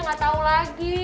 gak tau lagi